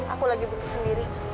aku lagi butuh sendiri